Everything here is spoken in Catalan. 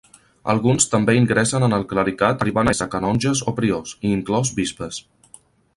Alguns també ingressen en el clericat arribant a ésser canonges o priors, i inclòs bisbes.